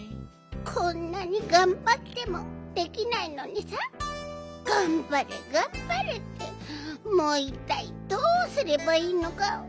こんなにがんばってもできないのにさがんばれがんばれってもういったいどうすればいいのかわかんないよ！